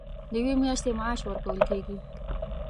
د یوې میاشتې معاش ورکول کېږي.